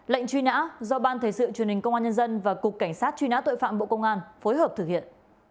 lệnh truy nã do ban thể sự truyền hình công an nhân dân và cục cảnh sát truy nã tội phạm bộ công an phối hợp thực hiện